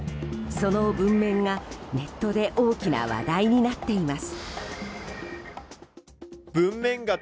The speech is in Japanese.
その文面がネットで大きな話題になっています。